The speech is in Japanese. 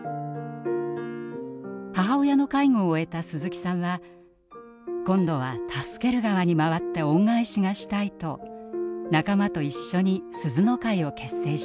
母親の介護を終えた鈴木さんは今度は助ける側に回って恩返しがしたいと仲間と一緒にすずの会を結成します。